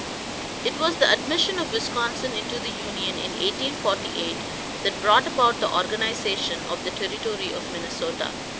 It was the admission of Wisconsin into the Union in 1848 that brought about the organization of the Territory of Minnesota.